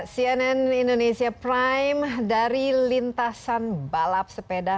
cnn indonesia prime dari lintasan balap sepeda